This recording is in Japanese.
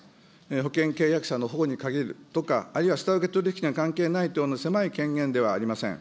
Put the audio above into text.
保険契約者の保護に限るとか、あるいは下請け取り引きには関係ない等の狭い権限ではありません。